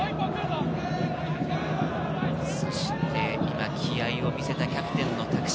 そして今、気合を見せたキャプテンの多久島。